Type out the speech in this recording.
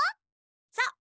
そう。